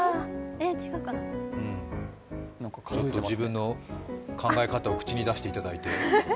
自分の考え方を口に出していただいて。